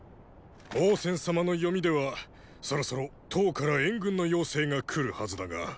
王翦様の読みではそろそろ騰から援軍の要請が来るはずだが。